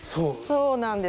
そうなんです。